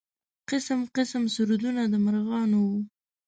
قسم قسم سرودونه د مرغانو و.